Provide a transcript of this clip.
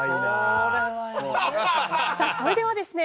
さあそれではですね